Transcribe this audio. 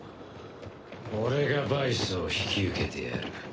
俺がバイスを引き受けてやる。